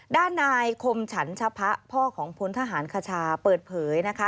ด้านนายคมฉันชะพะพ่อของพลทหารคชาเปิดเผยนะคะ